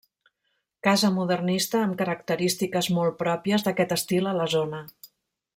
Casa modernista amb característiques molt pròpies d'aquest estil a la zona.